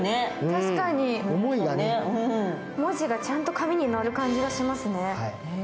文字がちゃんと紙にのる感じがしますね。